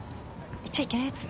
言っちゃいけないやつ？